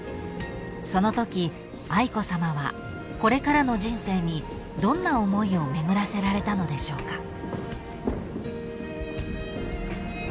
［そのとき愛子さまはこれからの人生にどんな思いを巡らせられたのでしょうか？］